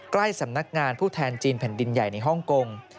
ใกล้สำนักงานผู้แทนจีนแผ่นดินใหญ่ในฮ่องกง